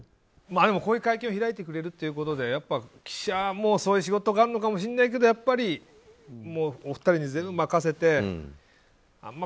こういう会見を開いてくれることで記者もそういう仕事があるのかもしれないけどお二人に全部任せてあんまり